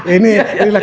ini lah kebinaikan